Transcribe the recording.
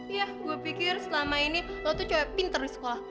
ya gue pikir selama ini lo tuh cewek pinter di sekolah